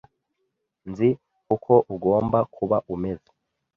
Nzi uko ugomba kuba umeze.